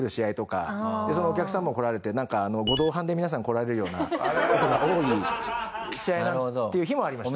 そのお客様も来られてなんかあのご同伴で皆さん来られるような事が多い試合だっていう日もありました。